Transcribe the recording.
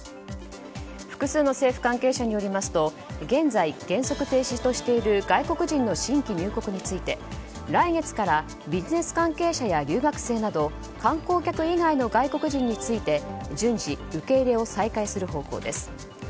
複数の政府関係者によりますと現在、原則停止としている外国人の新規入国について来月からビジネス関係者や留学生など観光客以外の外国人について順次、受け入れを再開する方向です。